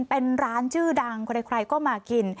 เป็นร้านชื่อดังใครก็มากิน